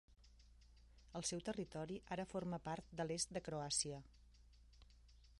El seu territori ara forma part de l'est de Croàcia.